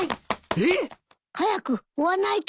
えっ！？早く追わないと。